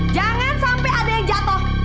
jangan sampai ada yang jatuh